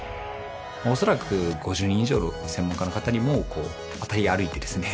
恐らく５０人以上の専門家の方にも渡り歩いてですね